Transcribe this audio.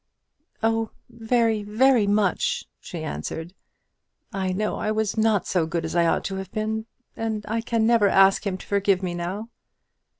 "Oh, very, very much," she answered. "I know I was not so good as I ought to have been; and I can never ask him to forgive me now."